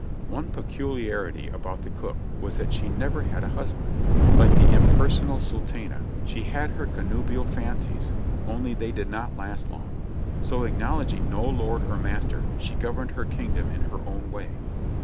One peculiarity about the cook was that she never had a husband ; like the imper ial sultana, she had her connubial fancies, only they did not last long; so acknowledging no lord or master, she governed her kingdom in her own way.